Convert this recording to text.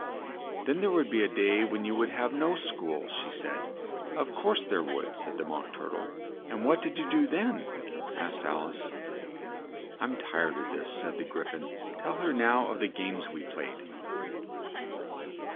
"Then there would be a day when you would have no school," she said. "Of course there would," said the Mock Tur tle. "What did you do then?" asked Al ice. "I'm tired of this," said the Gry phon: "tell her now of the games we played."